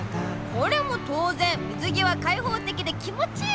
これも当然水着はかいほうてきで気持ちいい！